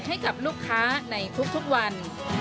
ให้กับลูกค้าในทุกวัน